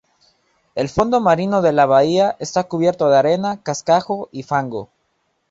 El fondo marino de la bahía está cubierto de arena, cascajo y fango.